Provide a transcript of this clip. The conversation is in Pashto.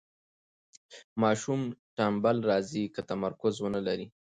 ماشوم ټنبل راځي که تمرکز ونلري.